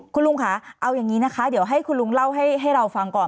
คุณลุงค่ะเอาอย่างนี้นะคะเดี๋ยวให้คุณลุงเล่าให้เราฟังก่อน